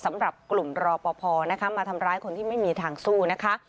สำหรับกลุ่มรอพอมาทำร้ายคนที่ไม่มีทางสู้